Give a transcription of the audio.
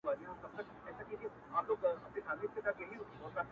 دا مي سوگند دی-